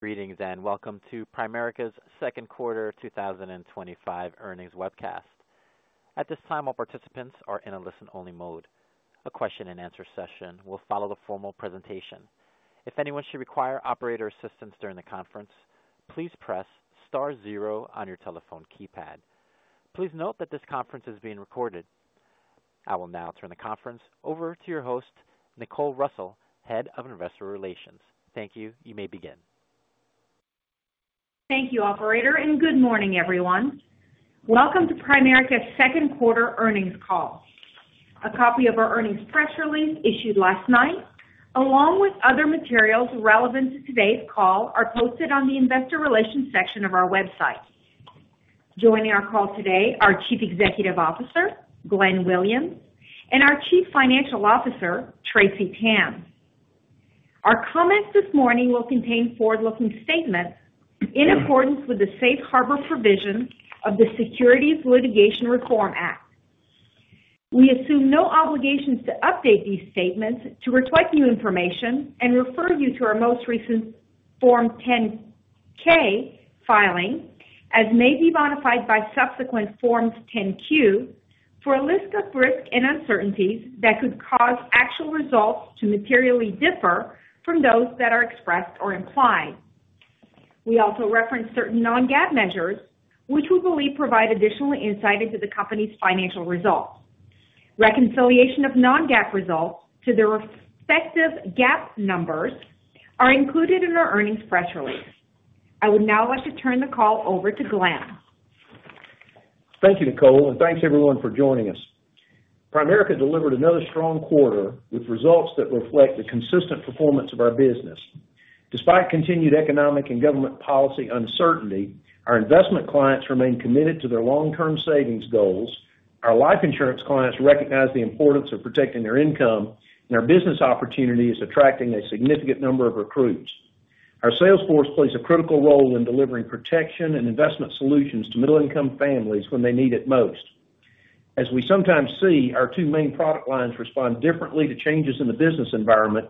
Greetings and welcome to Primerica's second quarter 2025 earnings webcast. At this time, all participants are in a listen-only mode. A question and answer session will follow the formal presentation. If anyone should require operator assistance during the conference, please press star zero on your telephone keypad. Please note that this conference is being recorded. I will now turn the conference over to your host, Nicole Russell, Head of Investor Relations. Thank you. You may begin. Thank you, Operator, and good morning, everyone. Welcome to Primerica's second quarter earnings call. A copy of our earnings press release issued last night, along with other materials relevant to today's call, are posted on the Investor Relations section of our website. Joining our call today are our Chief Executive Officer, Glenn Williams, and our Chief Financial Officer, Tracy Tan. Our comments this morning will contain forward-looking statements in accordance with the safe harbor provision of the Securities Litigation Reform Act. We assume no obligations to update these statements to reflect new information and refer you to our most recent Form 10-K filing, as may be modified by subsequent Forms 10-Q, for a list of risks and uncertainties that could cause actual results to materially differ from those that are expressed or implied. We also reference certain non-GAAP measures, which we believe provide additional insight into the company's financial results. Reconciliation of non-GAAP results to their respective GAAP numbers are included in our earnings press release. I would now like to turn the call over to Glenn. Thank you, Nicole, and thanks everyone for joining us. Primerica delivered another strong quarter with results that reflect the consistent performance of our business despite continued economic and government policy uncertainty. Our investment clients remain committed to their long-term savings goals. Our life insurance clients recognize the importance of protecting their income, and our business opportunities are attracting a significant number of recruits. Our sales force plays a critical role in delivering protection and investment solutions to middle-income families when they need it most. As we sometimes see, our two main product lines respond differently to changes in the business environment,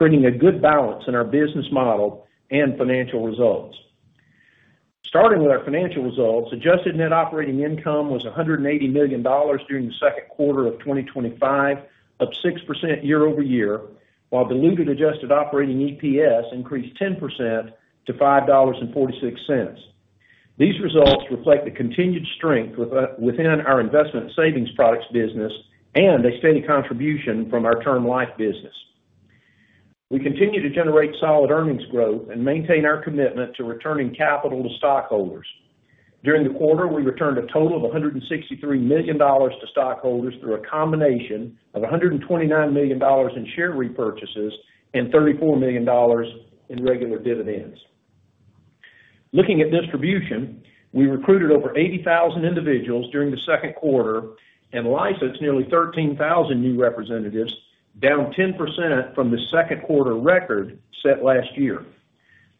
creating a good balance in our business model and financial results. Starting with our financial results, adjusted net operating income was $180 million during the second quarter of 2025, up 6% year over year, while diluted adjusted operating EPS increased 10% to $5.46. These results reflect the continued strength within our Investment and Savings Products business and a steady contribution from our term life business. We continue to generate solid earnings growth and maintain our commitment to returning capital to stockholders. During the quarter, we returned a total of $163 million to stockholders through a combination of $129 million in share repurchases and $34 million in regular dividends. Looking at distribution, we recruited over 80,000 individuals during the second quarter and licensed nearly 13,000 new representatives, down 10% from the second quarter record set last year.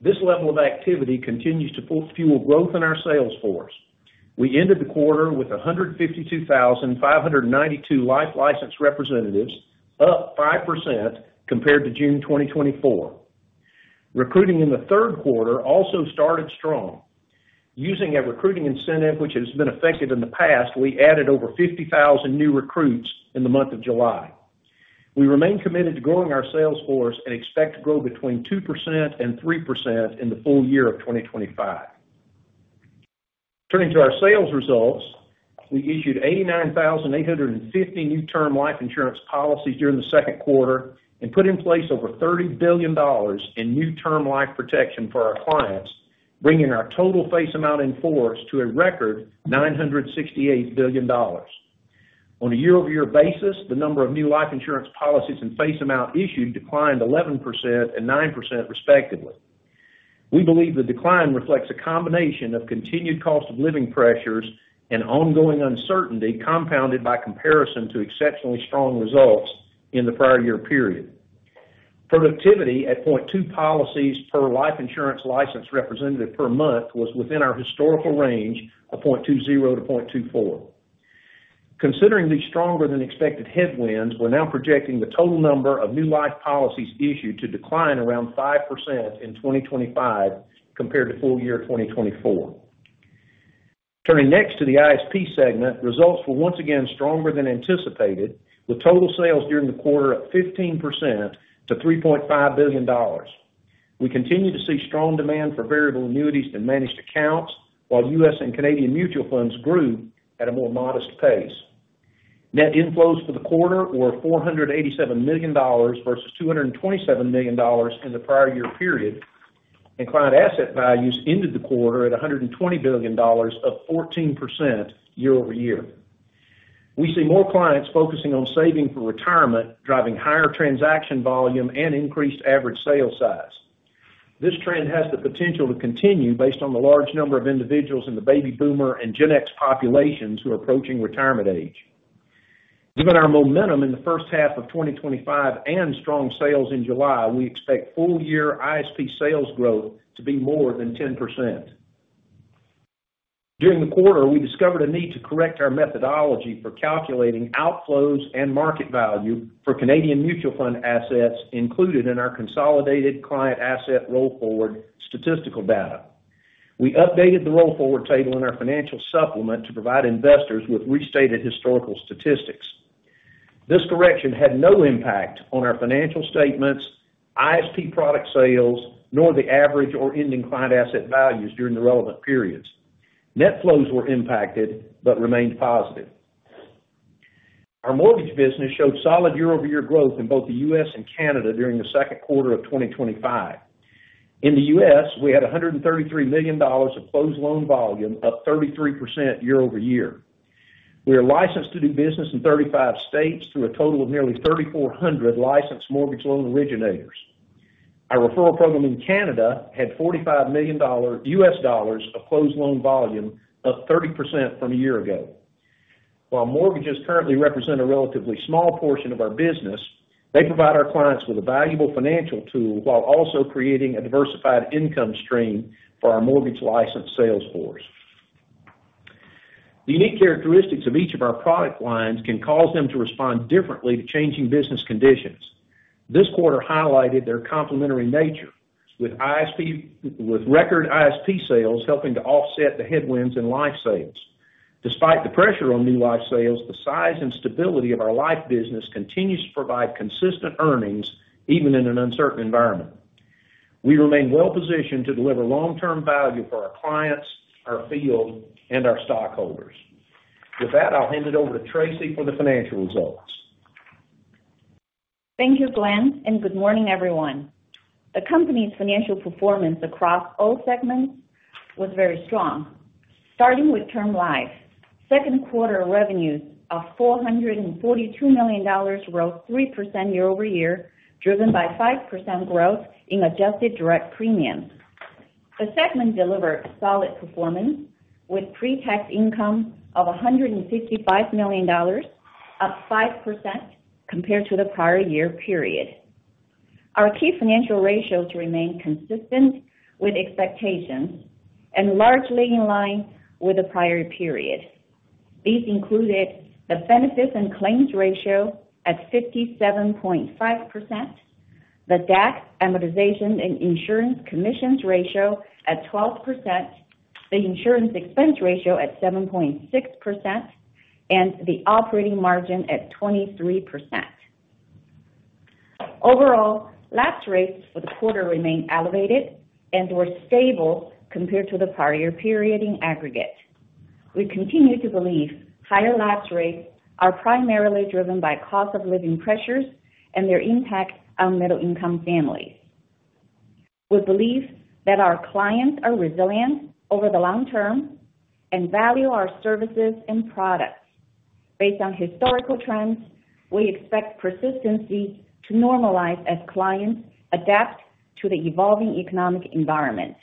This level of activity continues to fuel growth in our sales force. We ended the quarter with 152,592 life-licensed representatives, up 5% compared to June 2024. Recruiting in the third quarter also started strong. Using a recruiting incentive which has been effective in the past, we added over 50,000 new recruits in the month of July. We remain committed to growing our sales force and expect to grow between 2% and 3% in the full year of 2025. Turning to our sales results, we issued 89,850 new term life insurance policies during the second quarter and put in place over $30 billion in new term life protection for our clients, bringing our total face amount in force to a record $968 billion on a year-over-year basis. The number of new life insurance policies and face amount issued declined 11% and 9%, respectively. We believe the decline reflects a combination of continued cost of living pressures and ongoing uncertainty compounded by comparison to exceptionally strong results in the prior year period. Productivity at 0.2 policies per life insurance licensed representative per month was within our historical range of 0.20-0.24. Considering the stronger than expected headwinds, we're now projecting the total number of new life policies issued to decline around 5% in 2025 compared to full year 2024. Turning next to the ISP segment, results were once again stronger than anticipated with total sales during the quarter at 15% to $3.5 billion. We continue to see strong demand for variable annuities and managed accounts, while U.S. and Canadian mutual funds grew at a more modest pace. Net inflows for the quarter were $487 million versus $227 million in the prior year period, and client asset values ended the quarter at $120 billion, up 14%. Year over year, we see more clients focusing on saving for retirement, driving higher transaction volume and increased average sales size. This trend has the potential to continue based on the large number of individuals in the baby boomer and Gen X populations who are approaching retirement age. Given our momentum in the first half of 2025 and strong sales in July, we expect full year ISP sales growth to be more than 10%. During the quarter, we discovered a need to correct our methodology for calculating outflows and market value for Canadian mutual fund assets included in our Consolidated Client Asset Roll Forward Statistical Data. We updated the Roll Forward Table in our financial supplement to provide investors with restated historical statistics. This correction had no impact on our financial statements, ISP product sales, nor the average or ending client asset values during the relevant periods. Net flows were impacted but remained positive. Our mortgage business showed solid year over year growth in both the U.S. and Canada during the second quarter of 2025. In the U.S., we had $133 million of closed loan volume, up 33% year over year. We are licensed to do business in 35 states through a total of nearly 3,400 licensed mortgage loan originators. Our referral program in Canada had $45 million U.S. dollars of closed loan volume, up 30% from a year ago. While mortgages currently represent a relatively small portion of our business, they provide our clients with a valuable financial tool while also creating a diversified income stream for our mortgage license sales force. The unique characteristics of each of our product lines can cause them to respond differently to changing business conditions. This quarter highlighted their complementary nature with ISP, with record ISP sales helping to offset the headwinds in life sales. Despite the pressure on new life sales, the size and stability of our life business continues to provide consistent earnings, and even in an uncertain environment, we remain well positioned to deliver long term value for our clients, our field, and our stockholders. With that, I'll hand it over to Tracy for the financial results. Thank you Glenn and good morning everyone. The company's financial performance across all segments was very strong. Starting with term life, second quarter revenues of $442 million rose 3% year over year, driven by 5% growth in adjusted direct premium. The segment delivered solid performance with pre-tax income of $155 million, up 5% compared to the prior year period. Our key financial ratios remain consistent with expectations and largely in line with the prior period. These included the benefits and claims ratio at 57.5%, the DAC amortization and insurance commissions ratio at 12%, the insurance expense ratio at 7.6%, and the operating margin at 23%. Overall lapse rates for the quarter remained elevated and were stable compared to the prior year period. In aggregate, we continue to believe higher lapse rates are primarily driven by cost of living pressures and their impact on middle income families. We believe that our clients are resilient over the long term and value our services and products. Based on historical trends, we expect persistency to normalize as clients adapt to the evolving economic environments.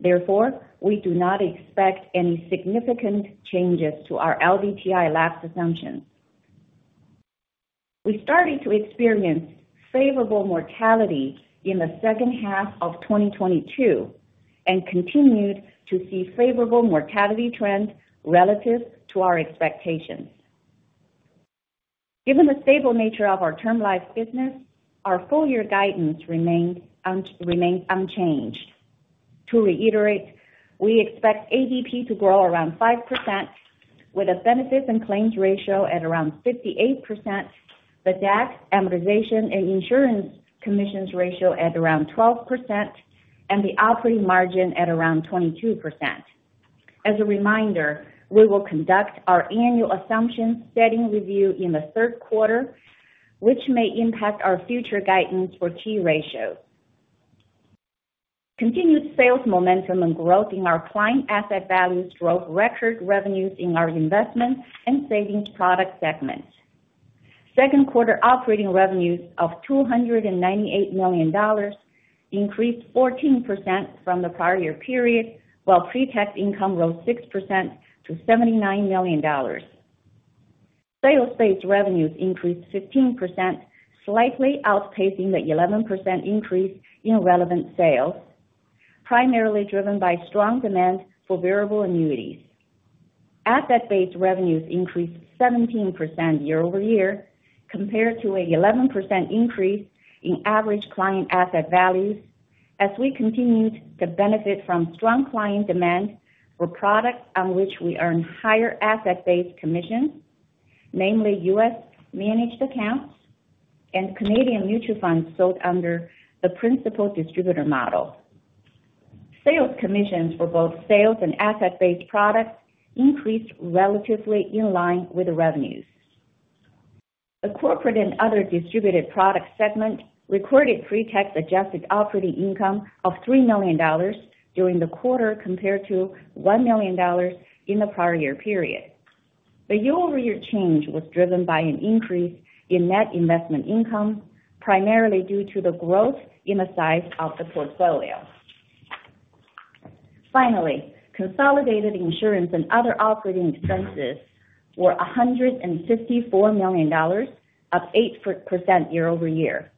Therefore, we do not expect any significant changes to our LDTI lapse assumptions. We started to experience favorable mortality in the second half of 2022 and continued to see favorable mortality trend relative to our expectations. Given the stable nature of our term life business, our full year guidance remains unchanged. To reiterate, we expect ADP to grow around 5% with a benefits and claims ratio at around 58%, the DAC amortization and insurance commissions ratio at around 12%, and the operating margin at around 22%. As a reminder, we will conduct our annual assumptions setting review in the third quarter, which may impact our future guidance for the T ratio. Continued sales momentum and growth in our client asset values drove record revenues in our Investment and Savings Products segments. Second quarter operating revenue of $298 million increased 14% from the prior year period, while pre-tax income rose 6% to $79 million. Sales-based revenues increased 15%, slightly outpacing the 11% increase in relevant sales, primarily driven by strong demand for variable annuities. Asset-based revenues increased 17% year over year compared to an 11% increase in average client asset values. As we continued to benefit from strong client demand for products on which we earned higher asset-based commissions, namely U.S. managed accounts and Canadian mutual funds sold under the principal distributor model, sales commissions for both sales and asset-based products increased relatively in line with the revenues. The corporate and other distributed products segment recorded pre-tax adjusted operating income of $3 million during the quarter compared to $1 million in the prior year period. The year-over-year change was driven by an increase in net investment income primarily due to the growth in the size of the portfolio. Finally, consolidated insurance and other operating expenses were $154 million, up 8% year over year.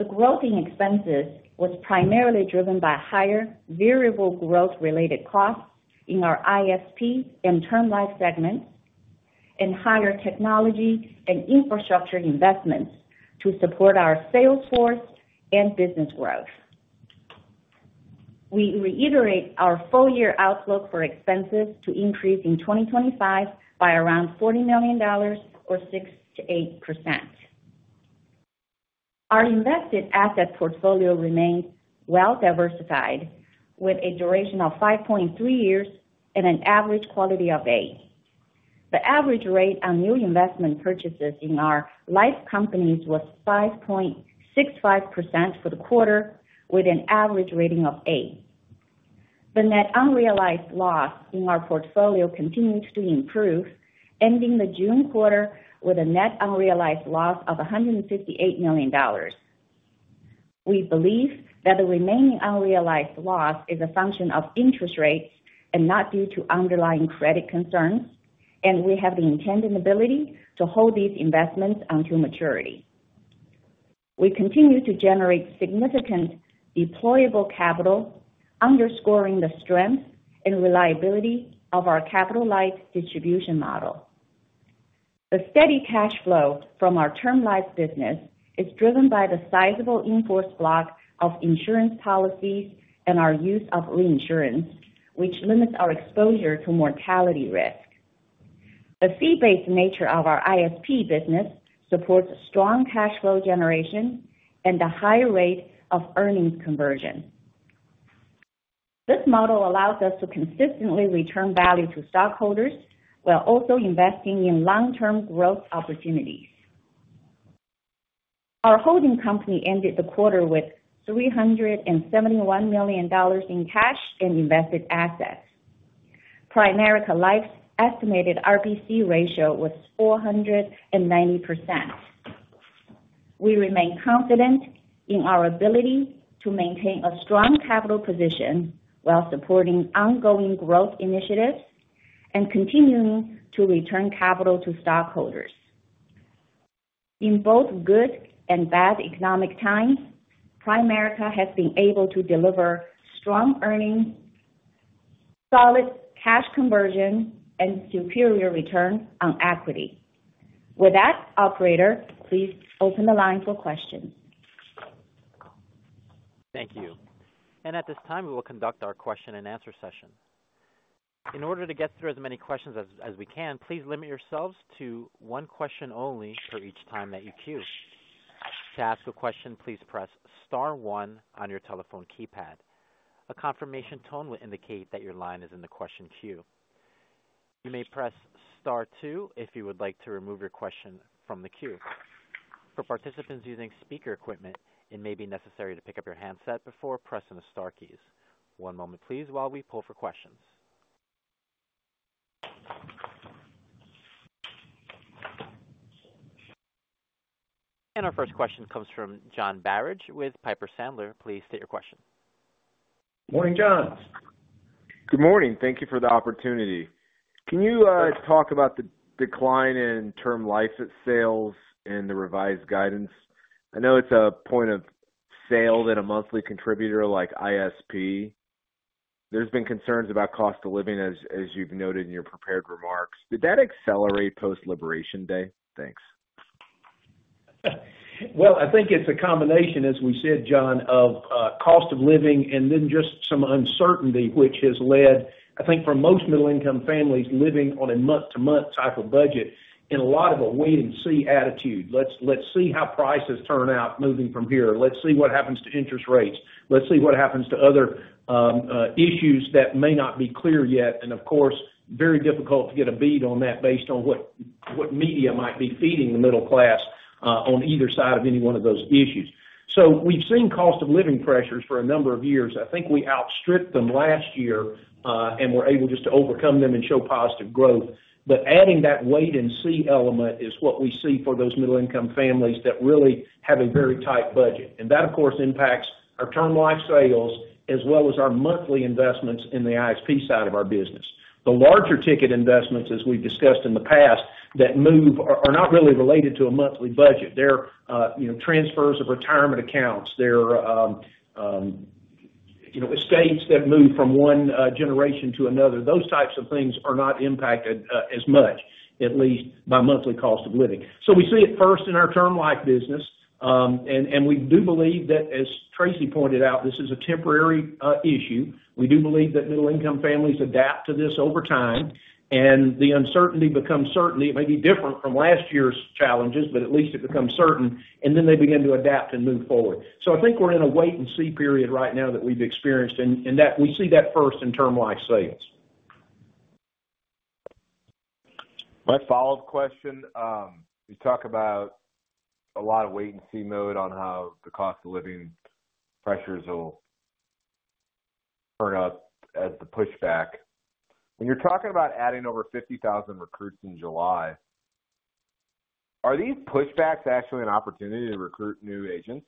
The growth in expenses was primarily driven by higher variable growth-related costs in our ISP and term life segment and higher technology and infrastructure investments to support our sales force and business growth. We reiterate our full-year outlook for expenses to increase in 2025 by around $40 million or 6%-8%. Our invested asset portfolio remains well diversified with a duration of 5.3 years and an average quality of A. The average rate on new investment purchases in our life companies was 5.65% for the quarter with an average rating of A. The net unrealized loss in our portfolio continues to improve, ending the June quarter with a net unrealized loss of $158 million. We believe that the remaining unrealized loss is a function of interest rate and not due to underlying credit concerns, and we have the intended ability to hold these investments until maturity. We continue to generate significant deployable capital, underscoring the strength and reliability of our capital-light distribution model. The steady cash flow from our term life business is driven by the sizable in-force block of insurance policies and our use of reinsurance, which limits our exposure to mortality risk. The fee-based nature of our ISP business supports strong cash flow generation and a high rate of earnings conversion. This model allows us to consistently return value to stockholders while also investing in long-term growth opportunities. Our holding company ended the quarter with $371 million in cash and invested assets. Primerica Life's estimated RBC ratio was 490%. We remain confident in our ability to maintain a strong capital position while supporting ongoing growth initiatives and continuing to return capital to stockholders in both good and bad economic times. Primerica has been able to deliver strong earnings, solid cash conversion, and superior return equity. With that, Operator, please open the line for questions. Thank you, and at this time we will conduct our question and answer session in order to get through as many questions as we can. Please limit yourselves to one question only for each time that you cue. To ask the question, please press star one on your telephone keypad. A confirmation tone will indicate that your line is in the question queue. You may press star two if you would like to remove your question from the queue. For participants using speaker equipment, it may be necessary to pick up your handset before pressing the star keys. One moment please while we poll for questions. Our first question comes from John Barnidge with Piper Sandler. Please state your question. Morning, John. Good morning. Thank you for the opportunity. Can you talk about the decline in term life sales in the revised guidance? I know it's a point of sale, not a monthly contributor like ISP. There's been concerns about cost of living, as you've noted in your prepared remarks. Did that accelerate post-Liberation Day? Thanks. I think it's a combination, as we said, John, of cost of living and then just some uncertainty, which has led, I think, for most middle income families living on a month-to-month type of budget, to a lot of a wait and see attitude. Let's see how prices turn out moving from here. Let's see what happens to interest rates. Let's see what happens to other issues that may not be clear yet, and of course, it's very difficult to get a bead on that based on what media might be feeding the middle class on either side of any one of those issues. We've seen cost of living pressures for a number of years. I think we outstripped them last year and were able just to overcome them and show positive growth. Adding that wait and see element is what we see for those middle income families that really have a very tight budget. That, of course, impacts our term life sales as well as our monthly investments in the ISP side of our business. The larger ticket investments, as we've discussed in the past, that move are not really related to a monthly budget. They're transfers of retirement accounts. They're escapes that move from one generation to another. Those types of things are not impacted as much, at least by monthly cost of living. We see it first in our term life business, and we do believe that as Tracy pointed out, this is a temporary issue. We do believe that middle income families adapt to this over time and the uncertainty becomes certainty. It may be different from last year's challenges, but at least it becomes certain and then they begin to adapt and move forward. I think we're in a wait and see period right now that we've experienced and that we see that first in term life sales. My follow up question, we talk about a lot of wait and see mode on how the cost of living pressures will turn up as the pushback. You're talking about adding over 50,000 recruits in July. Are these pushbacks actually an opportunity to recruit new agents?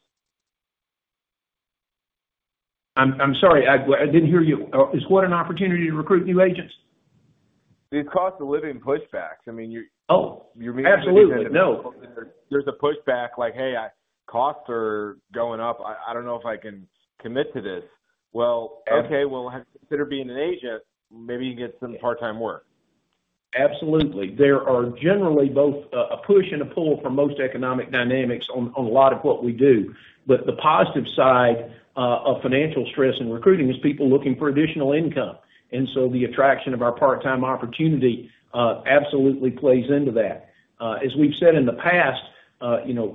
I'm sorry, I didn't hear you. Is what an opportunity to recruit new agents? The cost of living pushbacks? There's a pushback like, hey, costs are going up. I don't know if I can commit to this. Okay, consider being an agent. Maybe you get some part time work. Absolutely. There are generally both a push and a pull from most economic dynamics on a lot of what we do. The positive side of financial stress in recruiting is people looking for additional income. The attraction of our part time opportunity absolutely plays into that. As we've said in the past,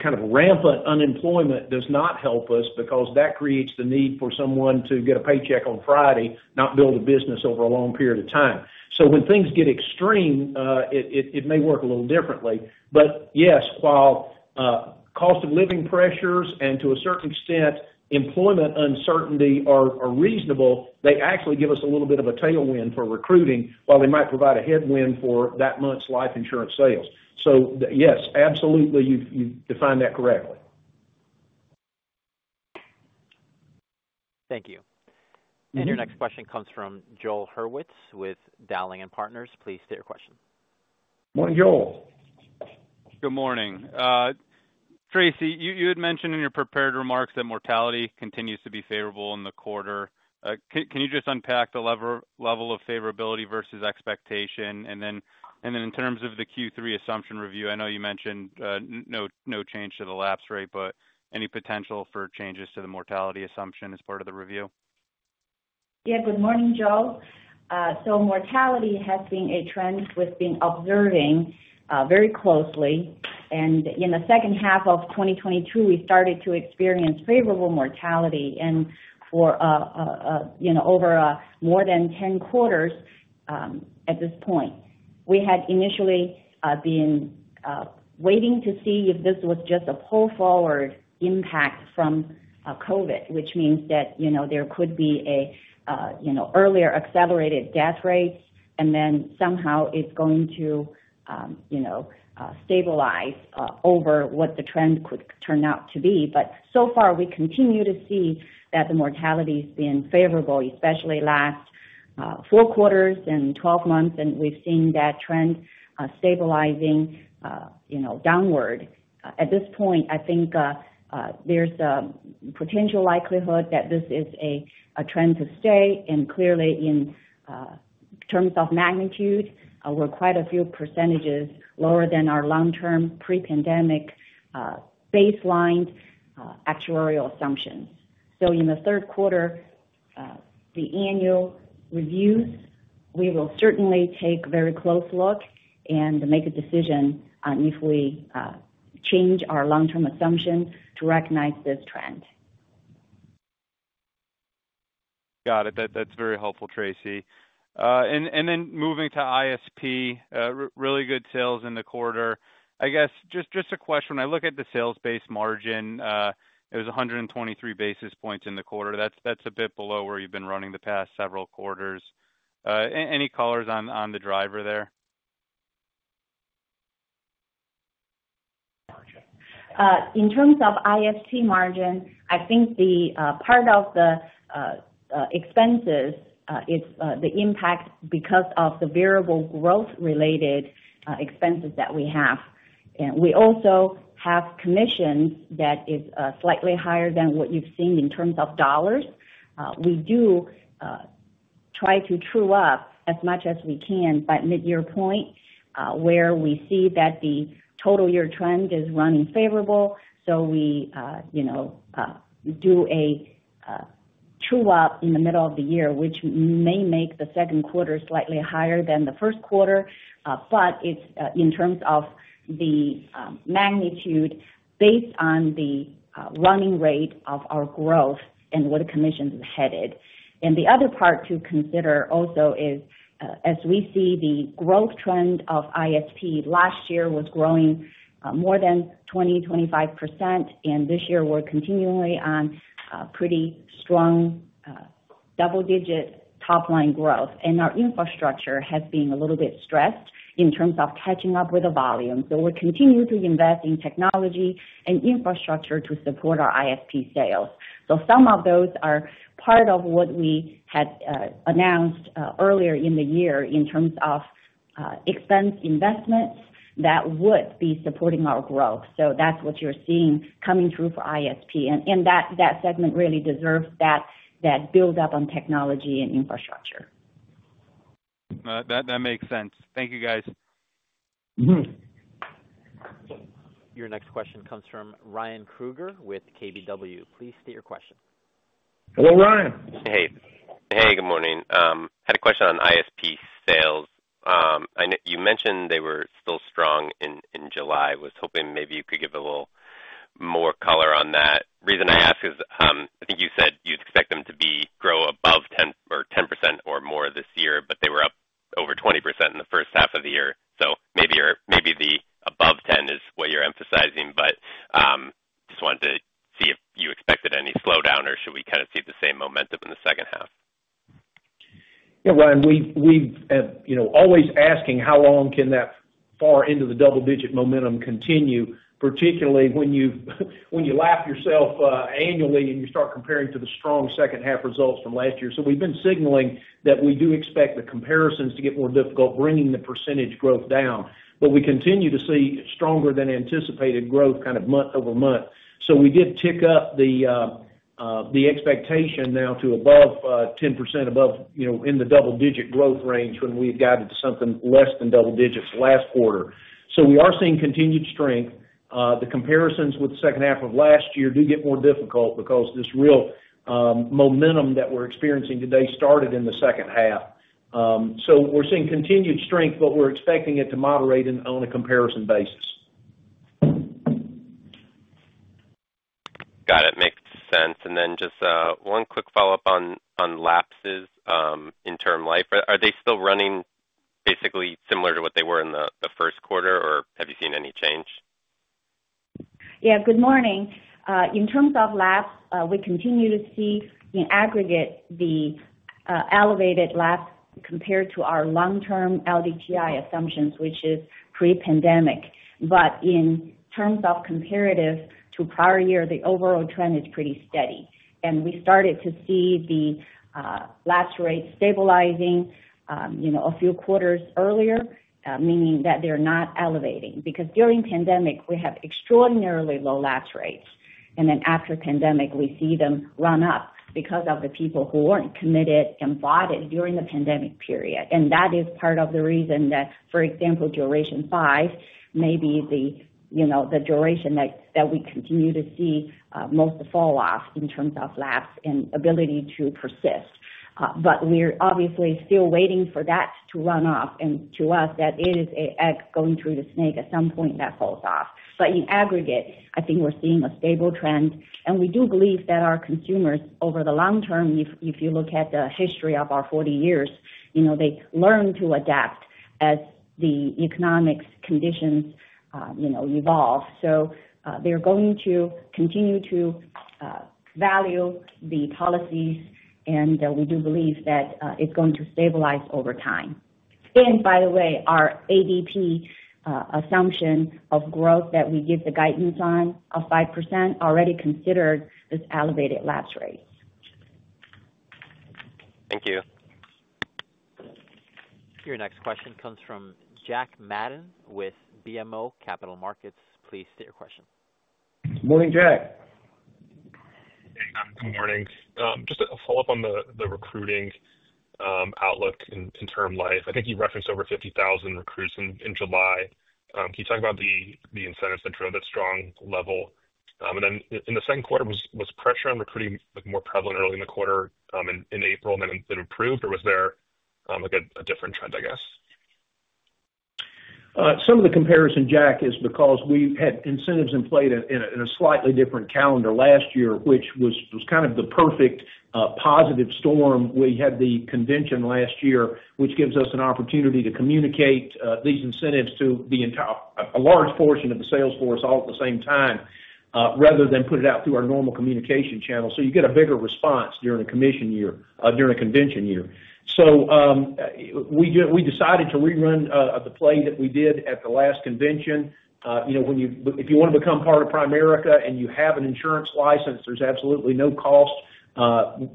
kind of rampant unemployment does not help us because that creates the need for someone to get a paycheck on Friday, not build a business over a long period of time. When things get extreme, it may work a little differently. Yes, while cost of living pressures and to a certain extent employment uncertainty are reasonable, they actually give us a little bit of a tailwind for recruiting while they might provide a headwind for that month's life insurance sales. Yes, absolutely, you've defined that correctly. Thank you. Your next question comes from Joel Hurwitz with Dowling and Partners, please state your question. Morning Joel. Good morning Tracy. You had mentioned in your prepared remarks that mortality continues to be favorable in the quarter. Can you just unpack the level of favorability versus expectation and then in terms of the Q3 assumption review, I know you mentioned no change to the lapse rate, but any potential for changes to the mortality assumption as part of the review? Yeah. Good morning, Joel. Mortality has been a trend we've been observing very closely, and in the second half of 2022 we started to experience favorable mortality for more than 10 quarters at this point. We had initially been waiting to see if this was just a pull forward impact from COVID, which means that there could be earlier accelerated death rates and then somehow it's going to stabilize over what the trend could turn out to be. So far, we continue to see that the mortality has been favorable, especially the last four quarters and 12 months, and we've seen that trend stabilizing downward. At this point, I think there's a potential likelihood that this is a trend to stay. Clearly, in terms of magnitude, we're quite a few % lower than our long-term pre-pandemic baselined actuarial assumption. In the third quarter annual reviews, we will certainly take a very close look and make a decision on if we change our long-term assumption to recognize this trend. Got it. That's very helpful, Tracy. Moving to ISP, really good sales in the quarter, I guess. Just a question, I look at the sales-based margin, it was 123 basis points in the quarter. That's a bit below where you've been running the past several quarters. Any color on the driver there? In terms of ISP margin, I think the part of the expenses, it's the impact because of the variable growth-related expenses that we have, and we also have commissions that are slightly higher than what you've seen in terms of dollars. We do try to true up as much as we can by mid-year point where we see that the total year trend is running favorable. We do a true up in the middle of the year, which may make the second quarter slightly higher than the first quarter, but it's in terms of the magnitude based on the running rate of our growth and what the commissions are headed. The other part to consider also is as we see the growth trend of ISP, last year was growing more than 20%, 25%, and this year we're continually on pretty strong double-digit top-line growth, and our infrastructure has been a little bit stressed in terms of catching up with the volume. We continue to invest in infrastructure to support our ISP sales. Some of those are part of what we had announced earlier in the year in terms of expense investments that would be supporting our growth. That's what you're seeing coming through for ISP, and that segment really deserves that build up on technology and infrastructure. That makes sense. Thank you, guys. Your next question comes from Ryan Krueger with KBW. Please state your question. Hello, Ryan. Hey. Hey, good morning. Had a question on ISP sales. You mentioned they were still strong in July. Was hoping maybe you could give a little more color on that. Reason I asked is I think you said you'd expect them to grow above 10% or more this year, but they were up over 20% in the first half of the year. Maybe the above 10% is what you're emphasizing. Just wanted to see if you expected any slowdown or should we kind of see the same momentum in the second half? Ryan, we have always asking how long can that far into the double digit momentum continue, particularly when you lap yourself annually and you start comparing to the strong second half results from last year. We have been signaling that we do expect the comparisons to get more difficult, bringing the percentage growth down, but we continue to see stronger than anticipated growth month over month. We did tick up the expectation now to above 10%, in the double digit growth range, when we got into something less than double digits last quarter. We are seeing continued strength. The comparisons with the second half of last year do get more difficult because this real momentum that we're experiencing today started in the second half. We're seeing continued strength, but we're expecting it to moderate on a comparison basis. Got it. Makes sense. And then just one quick follow up on lapses in term life. Are they still running basically similar to what they were in the first quarter or have you seen any change? Yeah. Good morning. In terms of lapse, we continue to see in aggregate the elevated lapse compared to our long-term LDTI assumptions, which is pre-pandemic. In terms of comparative to prior year, the overall trend is pretty steady. We started to see the lapse rates stabilizing a few quarters earlier, meaning that they're not elevating because during pandemic we had extraordinarily low lapse rates. After pandemic, we see them run up because of the people who weren't committed and bought it during the pandemic period. That is part of the reason that, for example, duration 5 may be the duration that we continue to see most fall off in terms of lapse and ability to persist. We're obviously still waiting for that to run off. To us, it is an egg going through the snake at some point that falls off. In aggregate, I think we're seeing a stable trend. We do believe that our consumers over the long term, if you look at the history of our 40 years, they learn to adapt as the economic conditions evolve. They're going to continue to value the policies. We do believe that it's going to stabilize over time. By the way, our ADP assumption of growth that we give the guidance on 5% already considered this elevated lapse rate. Thank you. Your next question comes from Jack Matten with BMO Capital Markets. Please state your question. Morning, Jack. Good morning. Just a follow up on the recruiting outlook in term life. I think you referenced over 50,000 recruits in July. Can you talk about the incentives that drove that strong level? In the second quarter, was pressure on recruiting more prevalent early in the quarter in April and then improved or was there a different trend? I guess. some of the comparison, Jack, is because we had incentives in play in a slightly different calendar last year, which was kind of the perfect positive storm. We had the convention last year, which gives us an opportunity to communicate these incentives to a large portion of the sales force all at the same time, rather than put it out through our normal communication channel. You get a bigger response during a convention year. We decided to rerun the play that we did at the last convention. If you want to become part of Primerica and you have an insurance license, there's absolutely no cost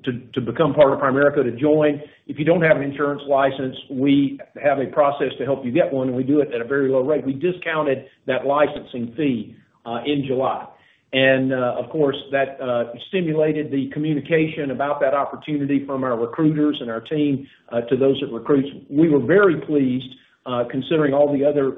to become part of Primerica to join. If you don't have an insurance license, we have a process to help you get one and we do it at a very low rate. We discounted that licensing fee in July and of course that stimulated the communication about that opportunity from our recruiters and our team to those recruits. We were very pleased considering all the other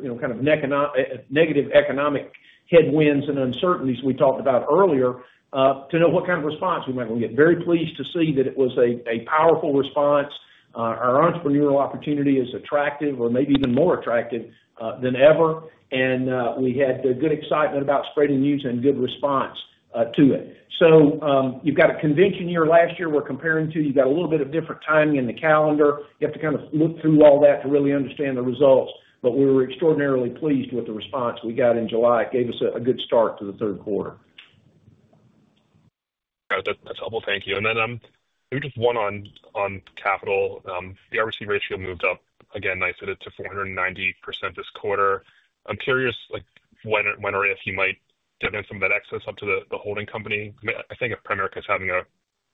negative economic headwinds and uncertainties. We talked about earlier to know what kind of response we might get. Very pleased to see that it was a powerful response. Our entrepreneurial opportunity is attractive or maybe even more attractive than ever. We had good excitement about spreading news and good response to it. You've got a convention year last year we're comparing to. You got a little bit of different timing in the calendar. You have to kind of look through all that to really understand the results. We were extraordinarily pleased with the response we got in July. Gave us a good start to the third quarter. That's helpful, thank you. Just one on capital. The RBC ratio moved up again nice to 490% this quarter. I'm curious when or if you might divide some of that excess up to the holding company. I think Primerica is having a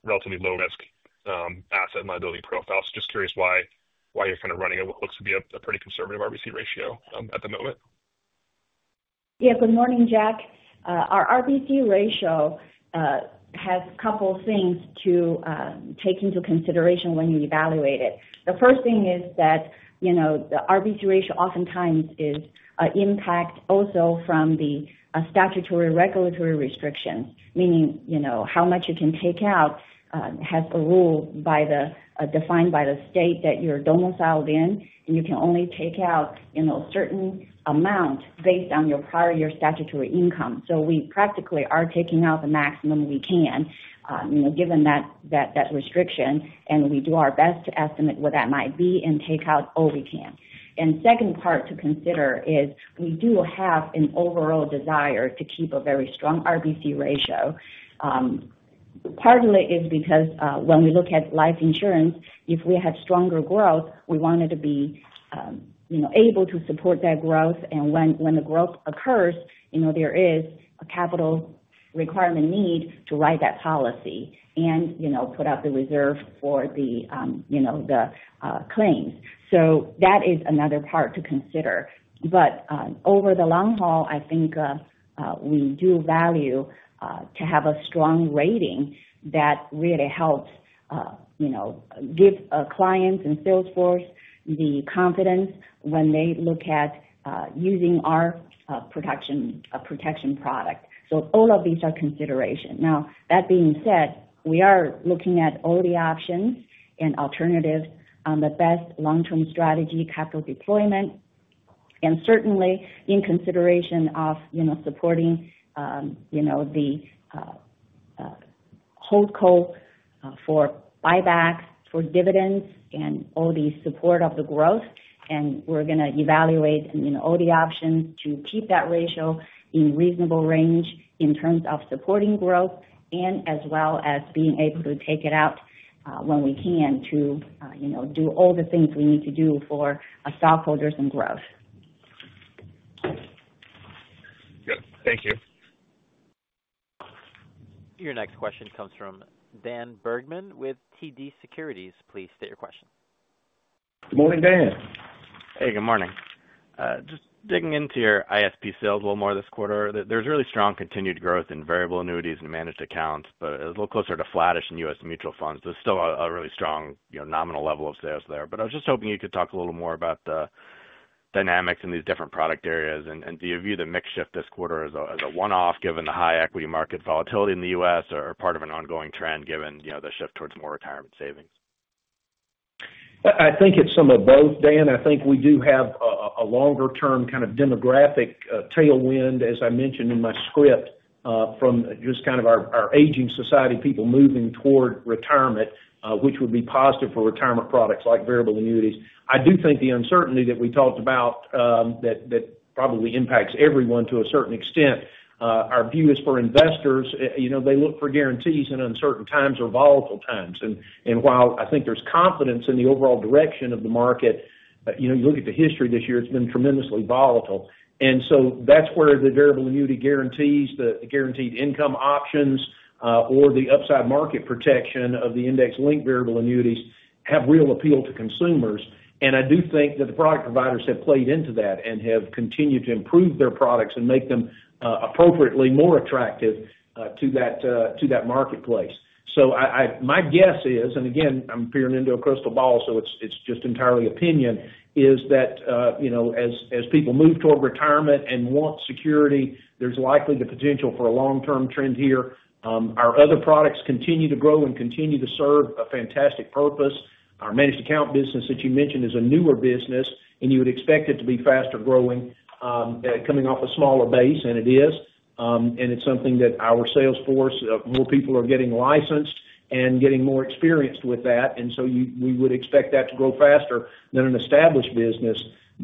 relatively low risk asset liability profile. Just curious why you're kind of running what looks to be a pretty conservative RBC ratio at the moment. Yeah. Good morning Jack. Our RBC ratio has a couple things to take into consideration when you evaluate it. The first thing is that the RBC ratio oftentimes is impacted also from the statutory regulatory restrictions, meaning how much you can take out has a rule defined by the state that you're domiciled in, and you can only take out a certain amount based on your prior year statutory income. We practically are taking out the maximum we can given that restriction. We do our best to estimate what that might be and take out all we can. The second part to consider is we do have an overall desire to keep a very strong RBC ratio. Partly it is because when we look at life insurance, if we had stronger growth, we want to be able to support that growth, and when the growth occurs, there is a capital requirement needed to write that policy and put up the reserve for the claims. That is another part to consider. Over the long haul, I think we do value having a strong rating that really helps give a client and salesforce the confidence when they look at using our protection product. All of these are considerations. That being said, we are looking at all the options and alternatives on the best long-term strategy for capital deployment, and certainly in consideration of supporting the hold co for buybacks, for dividend, and all the support of the growth. We're going to evaluate all the options to keep that ratio in a reasonable range in terms of supporting growth and as well as being able to take it out when we can to do all the things we need to do for stockholders and growth. Thank you. Your next question comes from Dan Bergman with TD Securities. Please state your question. Good morning Dan. Hey, good morning. Just digging into your ISP sales a little more this quarter. There's really strong continued growth in variable annuities and managed accounts, but a little closer to flattish in U.S. mutual funds. There's still a really strong nominal level of sales there. I was just hoping you could talk a little more about the dynamics in these different product areas. Do you view the mix shift this quarter as a one off given the high equity market volatility in the U.S. or part of an ongoing trend given the shift towards more retirement savings? I think it's some of both, Dan.I think we do have a longer term kind of demographic tailwind as I mentioned in my script, from just kind of our aging society, people moving toward retirement which would be positive for retirement products like variable annuities. I do think the uncertainty that we talked about probably impacts everyone to a certain extent. Our view is for investors, you know, they look for guarantees in uncertain times or volatile times. While I think there's confidence in the overall direction of the market, you know, you look at the history this year, it's been tremendously volatile. That's where the variable annuity guarantees, the guaranteed income options or the upside market protection of the index link. Variable annuities have real appeal to consumers and I do think that the product providers have played into that and have continued to improve their products and make them appropriately more attractive to that marketplace. My guess is, and again I'm peering into a crystal ball, so it's just entirely opinion, is that as people move toward retirement and want security, there's likely the potential for a long term trend here. Our other products continue to grow and continue to serve a fantastic purpose. Our managed account business that you mentioned is a newer business and you would expect it to be faster growing, coming off a smaller base. It is, and it's something that our sales force, more people are getting licensed and getting more experienced with that. We would expect that to grow faster than an established business.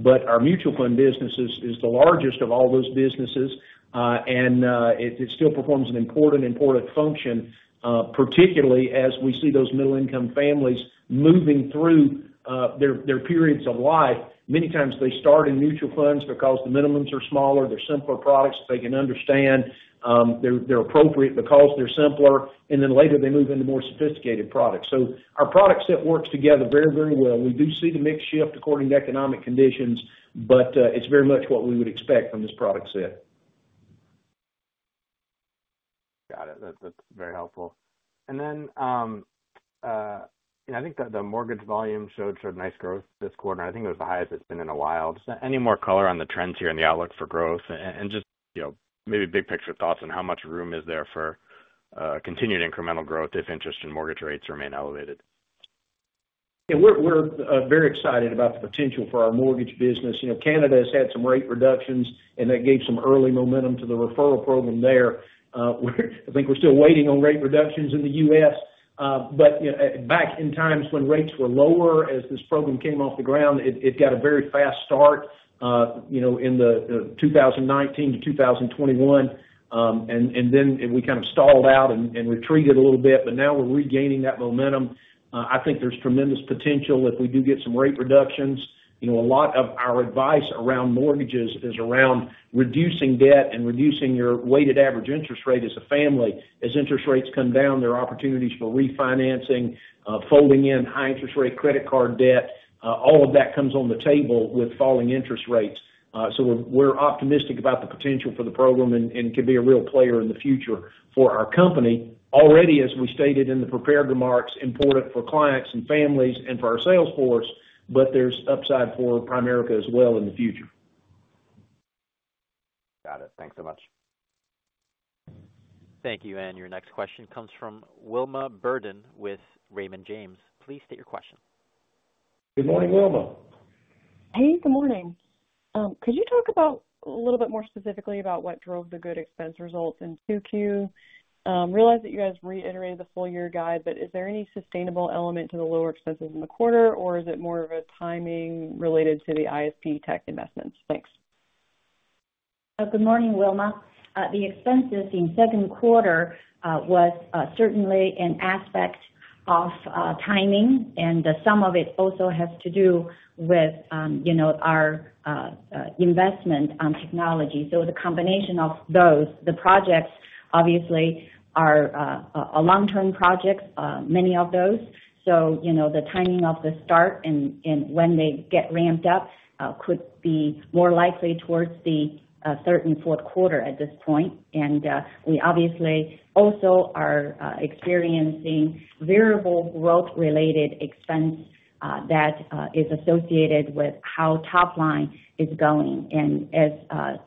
Our mutual fund business is the largest of all those businesses and it still performs an important, important function. Particularly as we see those middle income families moving through their periods of life. Many times they start in mutual funds because the minimums are smaller, they're simpler products, they can understand they're appropriate because they're simpler, and then later they move into more sophisticated products. Our product set works together very, very well. We do see the mix shift according to economic conditions, but it's very much what we would expect from this product set. Got it, that's very helpful. I think that the mortgage volume showed nice growth this quarter. I think it was the highest it's been in a while. Any more color on the trends here in the outlook for growth and just, you know, maybe big picture thoughts on how much room is there for continued incremental growth if interest and mortgage rates remain elevated? We're very excited about the potential for our mortgage business. Canada has had some rate reductions and that gave some early momentum to the referral program there. I think we're still waiting on rate reductions in the U.S. Back in times when rates were lower as this program came off the ground, it got a very fast start, in 2019-2021, and then we kind of stalled out and retreated a little bit. Now we're regaining that momentum. I think there's tremendous potential if we do get some rate reductions. A lot of our advice around mortgages is around reducing debt and reducing your weighted average interest rate as a family. As interest rates come down, there are opportunities for refinancing, folding in high interest rate credit card debt. All of that comes on the table with falling interest rates. We're optimistic about the potential for the program and it could be a real player in the future for our company. Already, as we stated in the prepared remarks, it's important for clients and families and for our sales force, but there's upside for Primerica as well in the future. Got it. Thanks so much. Thank you. Your next question comes from Wilma Burdis with Raymond James. Please state your question. Good morning, Wilma. Hey, good morning. Could you talk about a little bit more specifically about what drove the good expense results in 2Q, realize that you guys reiterated the full year guide, but is there any sustainable element to the lower expenses in the quarter, or is it more of a timing related to the ISP tech investments? Thanks. Good morning, Wilma. The expenses in second quarter was certainly an aspect of timing, and some of it also has to do with, you know, our investment on technology. The combination of those, the projects obviously are a long term project, many of those. You know, the timing of the start and when they get ramped up could be more likely towards the third and fourth quarter at this point. We obviously also are experiencing variable role related expense that is associated with how top line is going. As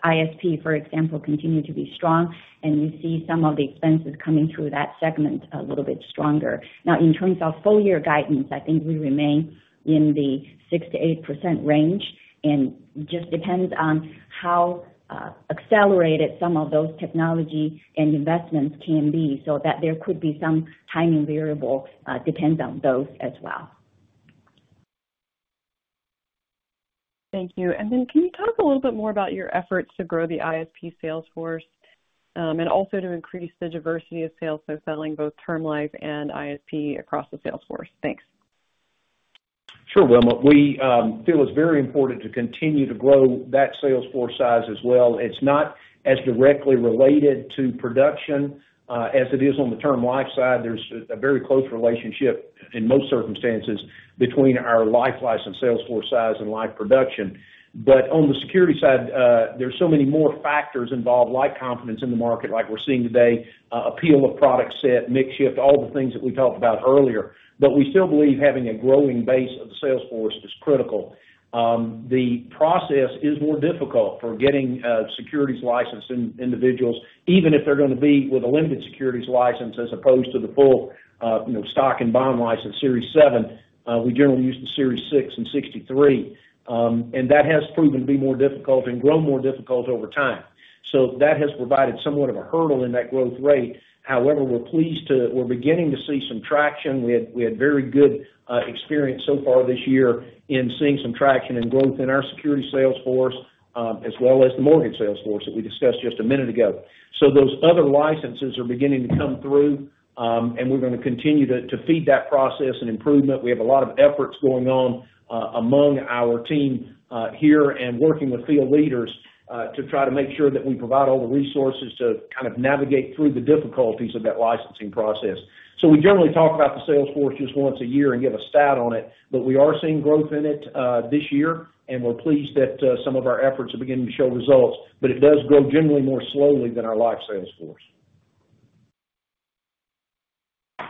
ISP, for example, continue to be strong and you see some of the expenses coming through that segment a little bit stronger. Now, in terms of full year guidance, I think we remain in the 6%-8% range and just depends on how accelerated some of those technology and investments can be. There could be some timing variable depend on those as well. Thank you. Can you talk a little bit more about your efforts to grow the ISP salesforce and also to increase the diversity of sales they're selling both term life and ISP across the sales force. Thanks. Sure, Wilma. We feel it's very important to continue to grow that sales force size as well. It's not as directly related to production as it is on the term life side. There's a very close relationship in most circumstances between our life-licensed sales force size and life production. On the securities side, there are so many more factors involved: confidence in the market like we're seeing today, appeal of product set, mix shift, all the things that we talked about earlier. We still believe having a growing base of the sales force is critical. The process is more difficult for getting securities-licensed individuals, even if they're going to be with a limited securities license as opposed to the full stock and bond license, Series 7. We generally use the Series 6 and 63, and that has proven to be more difficult and grown more difficult over time. That has provided somewhat of a hurdle in that growth rate. However, we're pleased to see we're beginning to see some traction. We had very good experience so far this year in seeing some traction and growth in our securities sales force as well as the mortgage sales force that we discussed just a minute ago. Those other licenses are beginning to come through, and we're going to continue to feed that process and improvement. We have a lot of efforts going on among our team here and working with field leaders to try to make sure that we provide all the resources to navigate through the difficulties of that licensing process. We generally talk about the sales force just once a year and give a stat on it. We are seeing growth in it this year, and we're pleased that some of our efforts are beginning to show results. It does grow generally more slowly than our life sales force.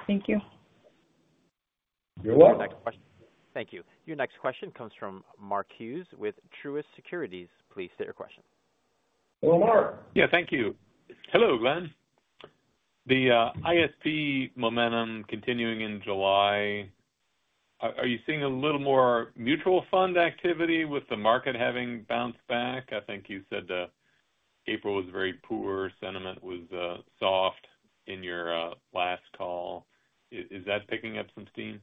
Thank you. You're welcome. Thank you. Your next question comes from Mark Hughes with Truist Securities. Please state your question. Thank you. Hello, Glenn. The ISP momentum continuing in July. Are you seeing a little more mutual fund activity with the market having bounced back? I think you said April was very poor, sentiment was soft in your last call. Is that picking up some steam.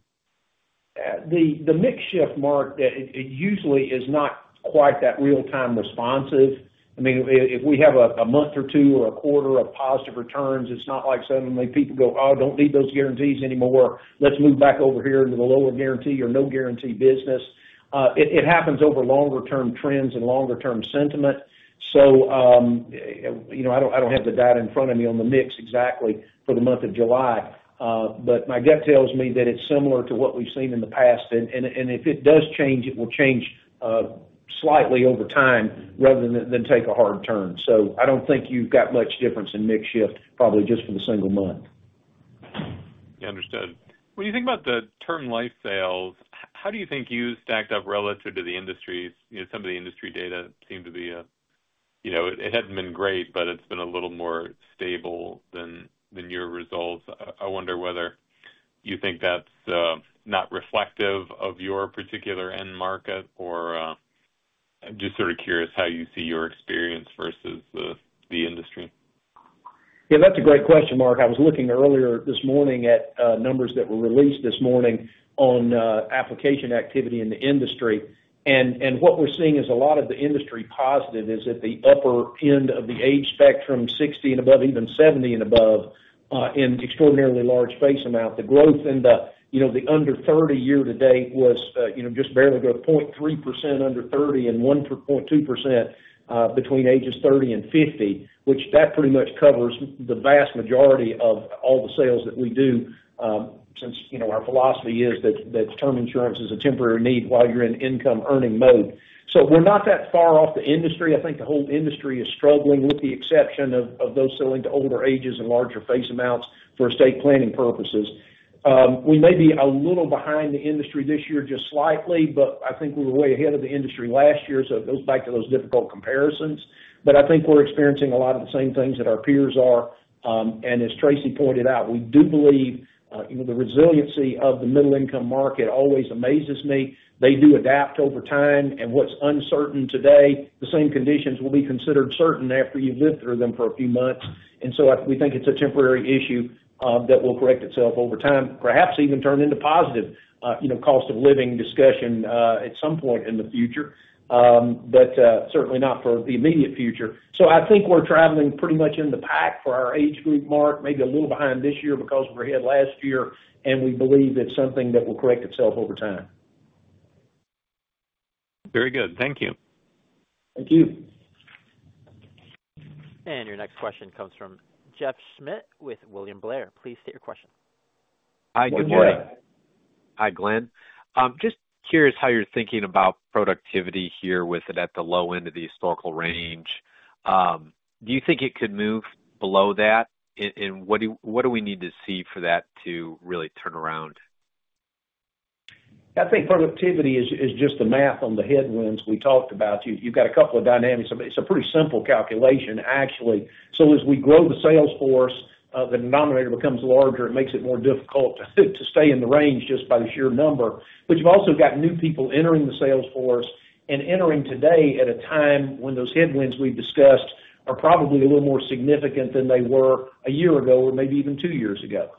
the mix shift, Mark? It usually is not quite that real time responsive. I mean if we have a month or two or a quarter of positive returns, it's not like suddenly people go, oh, don't need those guarantees anymore, let's move back over here into the lower guarantee or no guarantee business. It happens over longer term trends and longer term sentiment. You know, I don't have the data in front of me on the mix exactly for the month of July, but my gut tells me that it's similar to what we've seen in the past and if it does change, it will change slightly over time rather than take a hard turn. I don't think you've got much difference in mix shift, probably just for the single month. Understood. When you think about the term life sales, how do you think you stacked up relative to the industry's? Some of the industry data seem to be, you know, it hadn't been great, but it's been a little more stable than your results. I wonder whether you think that's not reflective of your particular end market. I'm just sort of curious how you see your experience versus the industry. Yeah, that's a great question, Mark. I was looking earlier this morning at numbers that were released this morning on application activity in the industry, and what we're seeing is a lot of the industry positive is at the upper end of the age spectrum, 60 and above, even 70 and above, in extraordinarily large face amount. The growth in the under 30 year to date was just barely got 0.3% under 30 and 1.2% between ages 30 and 50, which that pretty much covers the vast majority of all the sales that we do. Since our philosophy is that term insurance is a temporary need while you're in income earning mode. We're not that far off the industry. I think the whole industry is struggling with the exception of those selling to older ages and larger face amounts for estate planning purposes. We may be a little behind the industry this year, just slightly, but I think we were way ahead of the industry last year. It goes back to those difficult comparisons. I think we're experiencing a lot of the same things that our peers are. As Tracy pointed out, we do believe the resiliency of the middle income market always amazes me. They do adapt over time and what's uncertain today, the same conditions will be considered certain after you live through them for a few months. We think it's a temporary issue that will correct itself over time, perhaps even turn into positive cost of living discussion at some point in the future, but certainly not for the immediate future. I think we're traveling pretty much in the pack for our age group, Mark, maybe a little behind this year because we had last year. We believe it's something that will correct itself over time. Very good. Thank you. Thank you. Your next question comes from Jeff Schmitt with William Blair. Please state your question. Hi, Jeff. Hi, Glenn. Just curious how you're thinking about productivity here. With it at the low end of the historical range, do you think it could move below that? What do we need to see for that to really turn around? I think productivity is just the math. On the headwinds we talked about. You've got a couple of dynamics. It's a pretty simple calculation, actually. As we grow the sales force, the denominator becomes larger. It makes it more difficult to stay in the range just by the sheer number. You've also got new people entering the sales force and entering today at a time when those headwinds we discussed are probably a little more significant than they were a year ago or maybe even two years ago.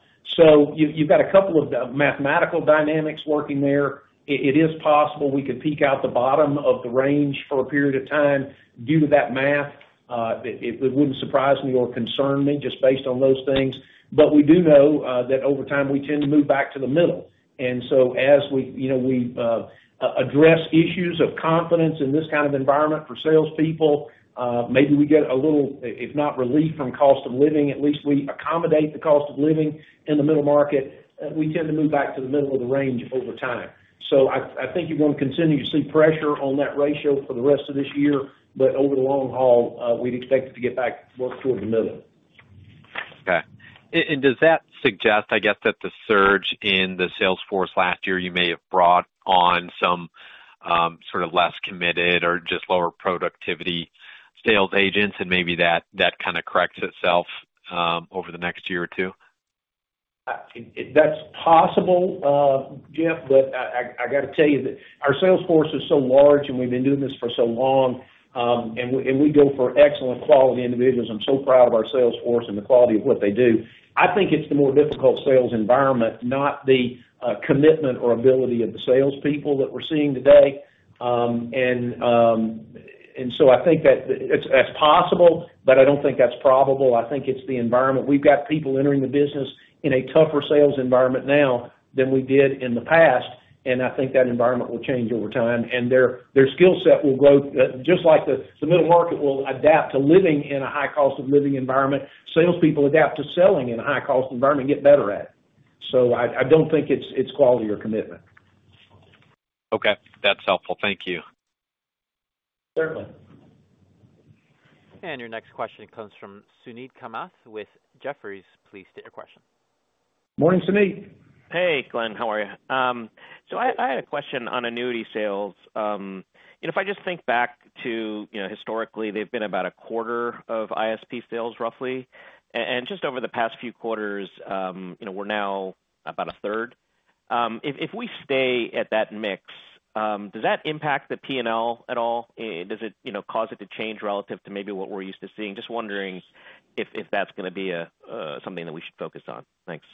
You've got a couple of mathematical dynamics working there. It is possible we could peek out the bottom of the range for a period of time due to that math. It wouldn't surprise me or concern me just based on those things. We do know that over time, we tend to move back to the middle. As we address issues of confidence in this kind of environment for salespeople, maybe we get a little, if not relief from cost of living, at least we accommodate the cost of living in the middle market. We tend to move back to the middle of the range over time. I think you want to continue to see pressure on that ratio for the rest of this year. Over the long haul, we'd expect to get back towards middle. Okay, and does that suggest, I guess, that the surge in the sales force last year, you may have brought on some sort of less committed or just lower productivity sales agents, and maybe that kind of corrects itself over the next year or two. That's possible, Jeff. I got to tell you that our sales force is so large and we've been doing this for so long, and we go for excellent quality individuals. I'm so proud of our sales force and the quality of what they do. I think it's the more difficult sales environment, not the commitment or ability of the salespeople that we're seeing today. I think that's possible. I don't think that's probable. I think it's the environment. We've got people entering the business in a tougher sales environment now than we did in the past. I think that environment will change over time and their skill set will grow just like the middle market will adapt to living in a high cost of living environment. Salespeople adapt to selling in a high cost environment, get better at it. I don't think it's quality or commitment. Okay, that's helpful. Thank you. Your next question comes from Suneet Kamath with Jefferies. Please state your question. Morning Suneet. Hey Glenn, how are you? I had a question on annuity sales. If I just think back to historically, they've been about a quarter of ISP sales roughly and just over the past few quarters, we're now about a third. If we stay at that mix, does that impact the P&L at all? Does it cause it to change relative to maybe what we're used to seeing? Just wondering if that's going to be something that we should focus on. Thanks.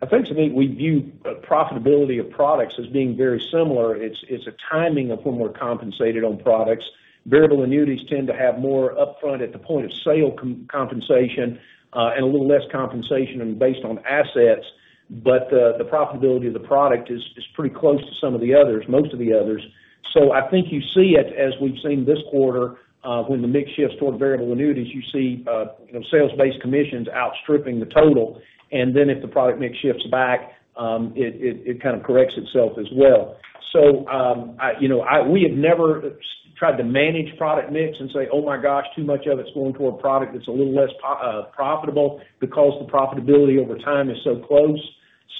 I think Suneet, we view profitability of products as being very similar. It's a timing of when we're compensated on products. Variable annuities tend to have more upfront at the point of sale compensation and a little less compensation based on assets. The profitability of the product is pretty close to some of the others, most of the others. I think you see it as we've seen this quarter when the mix shifts toward variable annuities. You see sales-based commissions outstripping the total. If the product mix shifts back, it kind of corrects itself as well. We have never tried to manage product mix and say, oh my gosh, too much of it's going to a product that's a little less profitable because the profitability over time is so close.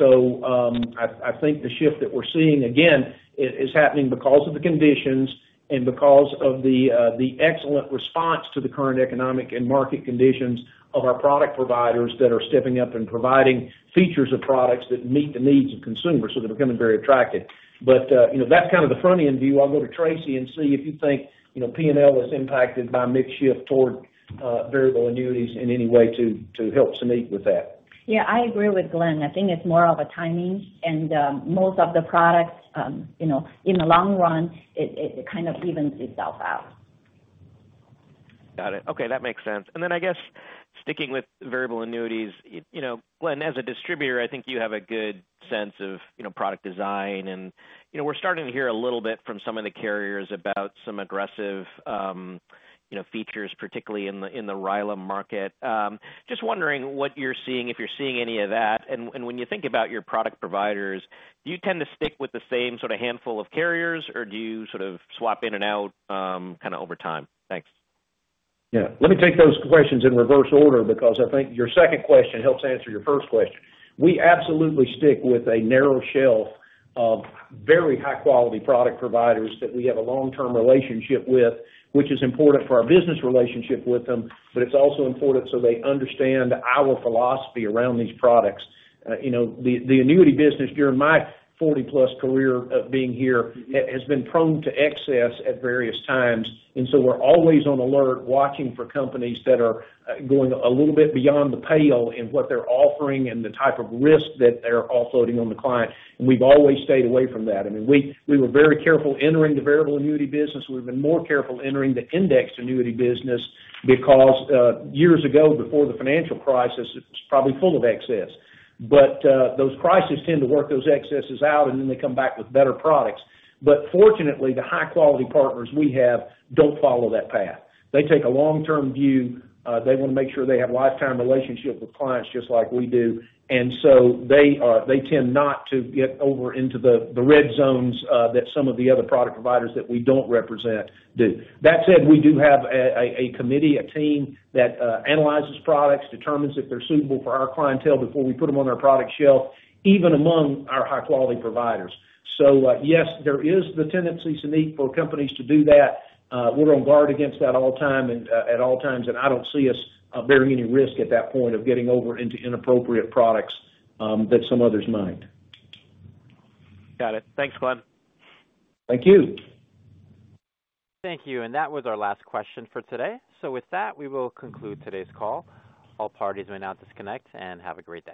I think the shift that we're seeing again is happening because of the conditions and because of the excellent response to the current economic and market conditions of our product providers that are stepping up and providing features of products that meet the needs of consumers. They're becoming very attractive. You know, that's kind of the front end view. I'll go to Traci]y and see if you think P&L is impacted by mix shift toward variable annuities in any way to help Suneet with that. Yeah, I agree with Glenn. I think it's more of a timing, and most of the products, you know, in the long run it kind of evens itself out. Got it. Okay, that makes sense. I guess sticking with variable annuities, Glenn, as a distributor, I think you have a good sense of product design and we're starting to hear a little bit from some of the carriers about some aggressive features, particularly in the Ryla market. Just wondering what you're seeing, if you're seeing any of that. When you think about your product providers, do you tend to stick with the same handful of carriers or do you swap in and out over time? Thanks. Yeah, let me take those questions in reverse order because I think your second question helps answer your first question. We absolutely stick with a narrow shelf of very high quality product providers that we have a long-term relationship with, which is important for our business relationship with them, but it's also important so they understand our philosophy around these products. The annuity business during my 40+ career of being here has been prone to excess at various times. We are always on alert, watching for companies that are going a little bit beyond the pale in what they're offering and the type of risk that they're offloading on the client. We've always stayed away from that. We were very careful entering the variable annuity business. We've been more careful entering the indexed annuity business because years ago, before the financial crisis, it was probably full of excess, but those crises tend to work those excesses out and then they come back with better products. Fortunately, the high quality partners we have don't follow that path. They take a long-term view. They want to make sure they have a lifetime relationship with clients just like we do. They tend not to get over into the red zones that some of the other product providers that we don't represent do. That said, we do have a committee, a team that analyzes products and determines if they're suitable for our clientele before we put them on our product shelf, even among our high quality providers. Yes, there is the tendency for companies to do that. We're on guard against that all the time and at all times. I don't see us bearing any risk at that point of getting over into inappropriate products that some others might. Got it. Thanks, Glenn. Thank you. Thank you. That was our last question for today. With that, we will conclude today's call. All parties may now disconnect and have a great day.